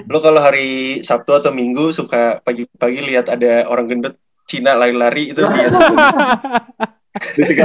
lu kalau hari sabtu atau minggu suka pagi pagi liat ada orang gendut cina lari lari itu biasa